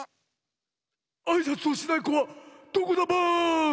・あいさつをしないこはどこだバーン！